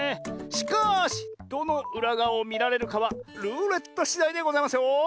しかしどのうらがわをみられるかはルーレットしだいでございますよ。